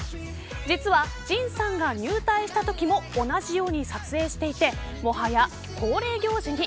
実はＪＩＮさんが入隊したときも同じように撮影していてもはや、恒例行事に。